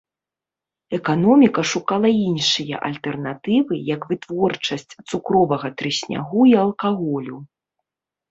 Эканоміка шукала іншыя альтэрнатывы, як вытворчасць цукровага трыснягу і алкаголю.